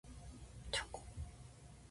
チョコ